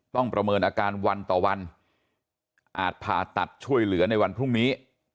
ประเมินอาการวันต่อวันอาจผ่าตัดช่วยเหลือในวันพรุ่งนี้